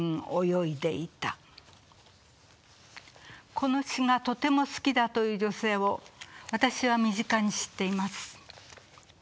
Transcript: この詩がとても好きだという女性を私は身近に知っています。